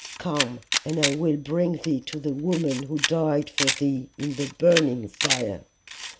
Come and I will bring thee to the woman who died for thee in the burning fire.